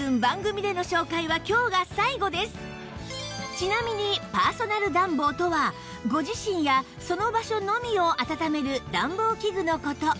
ちなみにパーソナル暖房とはご自身やその場所のみをあたためる暖房器具の事